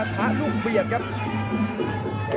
โอ้โหแล้วมีสองขวานสลับ